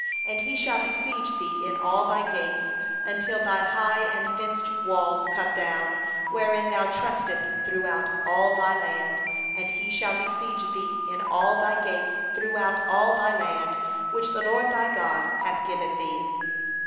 52And he shall besiege thee in all thy gates, until thy high and fortified walls come down, wherein thou didst trust, throughout all thy land; and he shall besiege thee in all thy gates throughout all thy land, which the LORD thy God hath given thee.